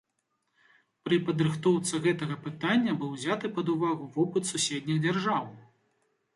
Пры падрыхтоўцы гэтага пытання быў узяты пад увагу вопыт суседніх дзяржаў.